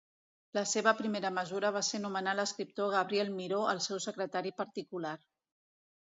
La seva primera mesura va ser nomenar l'escriptor Gabriel Miró el seu secretari particular.